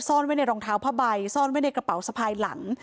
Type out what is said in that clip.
ซ่อนไว้ในรองเท้าผ้าใบซ่อนไว้ในกระเป๋าสะพายหลัง